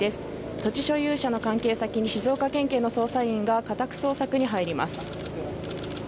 土地所有者の関係先に静岡県警の捜査員が家宅捜索に入ります。